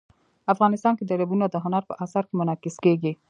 افغانستان کې دریابونه د هنر په اثار کې منعکس کېږي.